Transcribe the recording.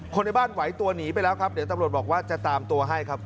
ในบ้านไหวตัวหนีไปแล้วครับเดี๋ยวตำรวจบอกว่าจะตามตัวให้ครับ